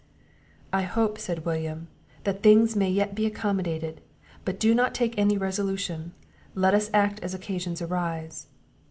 "I hope," said William, "that things may yet be accommodated; but do not take any resolution, let us act as occasions arise."